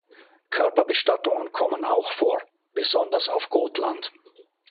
Körperbestattungen kommen auch vor, besonders auf Gotland.